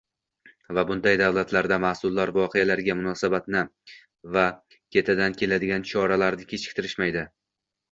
va bunday davlatlarda mas’ullar voqealarga munosabatni va ketidan keladigan choralarni kechiktirishmaydi.